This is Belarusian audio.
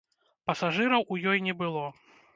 Пасажыраў у ёй не было.